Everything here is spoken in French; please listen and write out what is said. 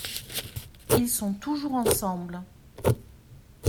Ils sont toujours ensemble.